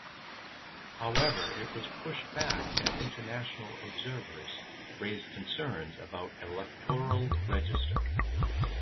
However it was pushed back as international observers raised concerns about electoral register.